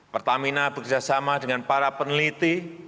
pertamina bekerjasama dengan para peneliti